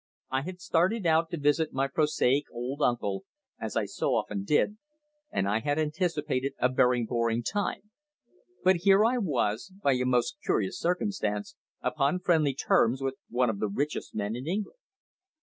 I had started out to visit my prosaic old uncle as I so often did and I had anticipated a very boring time. But here I was, by a most curious circumstance, upon friendly terms with one of the richest men in England.